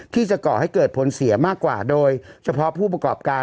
ที่จะก่อให้เกิดผลเสียมากกว่าโดยเฉพาะผู้ประกอบการ